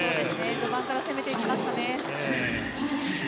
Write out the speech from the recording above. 序盤から攻めていきましたね。